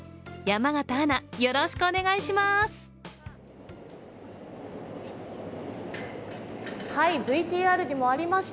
山形アナ、よろしくお願いします。